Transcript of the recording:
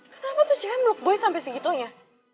kenapa tuh jam look boy sampai segitunya